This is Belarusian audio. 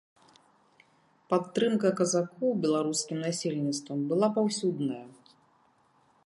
Падтрымка казакоў беларускім насельніцтвам была паўсюдная.